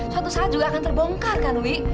suatu saat juga akan terbongkar kan wi